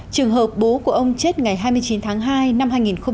trường hợp bố của ông chết ngày hai mươi chín tháng hai năm hai nghìn một mươi chín